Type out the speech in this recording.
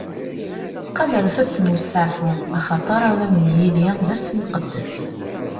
Qadret ass n westeɛfu, axaṭer ad wen-yili d ass imqeddes.